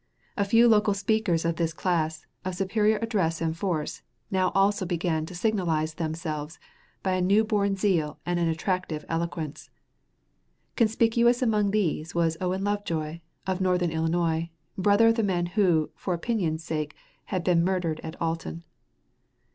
A few local speakers of this class, of superior address and force, now also began to signalize themselves by a new born zeal and an attractive eloquence. Conspicuous among these was Owen Lovejoy, of northern Illinois, brother of the man who, for opinion's sake, had been murdered at Alton.